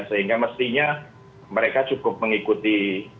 sehingga mestinya mereka cukup mengikuti